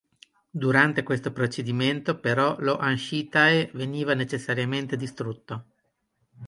Durante questo procedimento però lo hanshita-e veniva necessariamente distrutto.